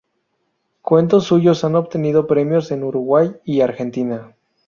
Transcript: Cuentos suyos han obtenido premios en Uruguay y Argentina.